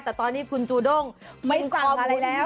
แต่ตอนนี้คุณจูด้งไม่ซอมอะไรแล้ว